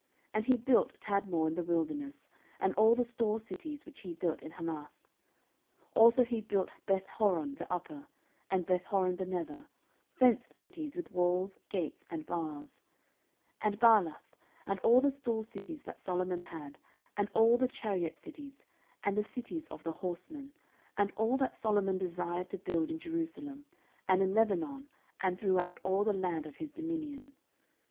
14:008:004 And he built Tadmor in the wilderness, and all the store cities, which he built in Hamath. 14:008:005 Also he built Bethhoron the upper, and Bethhoron the nether, fenced cities, with walls, gates, and bars; 14:008:006 And Baalath, and all the store cities that Solomon had, and all the chariot cities, and the cities of the horsemen, and all that Solomon desired to build in Jerusalem, and in Lebanon, and throughout all the land of his dominion.